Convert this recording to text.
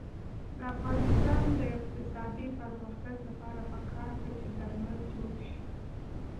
د افغانستان د اقتصادي پرمختګ لپاره پکار ده چې درمل جوړ شي.